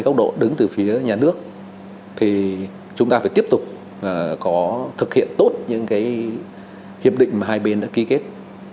với góc độ đứng từ phía nhà nước thì chúng ta phải tiếp tục thực hiện tốt những hiệp định mà hai bên đã ký kết